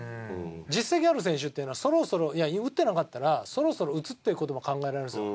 実績ある選手っていうのはそろそろ打ってなかったらそろそろ打つっていう事も考えられるんですよ。